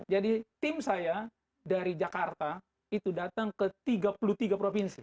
jadi tim saya dari jakarta itu datang ke tiga puluh tiga provinsi